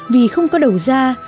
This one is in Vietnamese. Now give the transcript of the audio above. vì không có đầu ra